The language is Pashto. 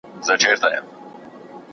موږ باید د خپل ژوند واک ولرو.